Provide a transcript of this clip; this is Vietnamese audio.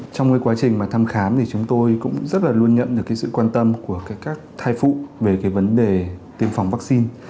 trong quá trình thăm khám chúng tôi cũng rất luôn nhận được sự quan tâm của các thai phụ về vấn đề tiêm phòng vaccine